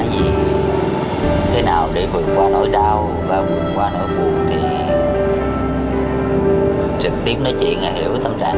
gì thế nào để vượt qua nỗi đau và vượt qua nỗi buồn thì trực tiếp nói chuyện hiểu tâm trạng